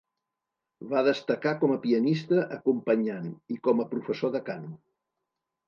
Va destacar com a pianista acompanyant i com a professor de cant.